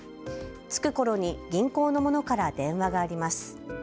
着くころに銀行の者から電話があります。